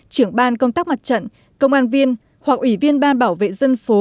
trưởng ban công tác mặt trận công an viên hoặc ủy viên ban bảo vệ dân phố